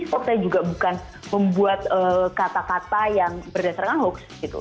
kok saya juga bukan membuat kata kata yang berdasarkan hoax gitu